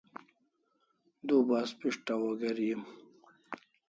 Du bas pishtaw o geri em